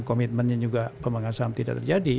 komitmennya juga pembangunan saham tidak terjadi